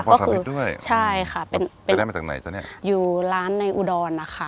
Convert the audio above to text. ก็คือใช่ค่ะเป็นไปได้มาจากไหนจ๊ะเนี้ยอยู่ร้านในอุดรนะคะ